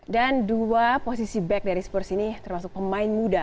dan dua posisi back dari spurs ini termasuk pemain muda